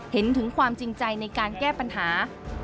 เห็นถึงความจริงใจในการแก้ปัญหา